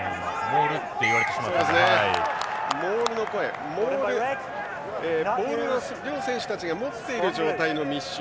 モールとは、ボールを両選手たちが持っている状態の密集。